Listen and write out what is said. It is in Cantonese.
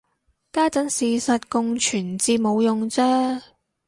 家陣事實共存至冇用啫